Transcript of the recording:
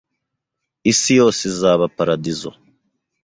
Isi yose izaba paradizo